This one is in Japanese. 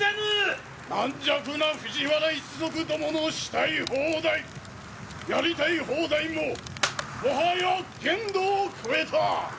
軟弱な藤原一族どものしたい放題やりたい放題ももはや限度を超えた！